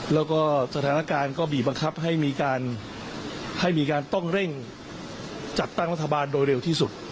แล้วก็สถานการณ์ก็บีบบังคับให้มีการให้มีการต้องเร่งจัดตั้งรัฐบาลโดยเร็วที่สุด